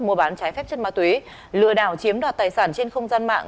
mua bán trái phép chất ma túy lừa đảo chiếm đoạt tài sản trên không gian mạng